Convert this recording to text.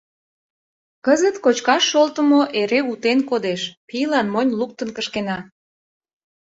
Кызыт кочкаш шолтымо эре утен кодеш, пийлан монь луктын кышкена.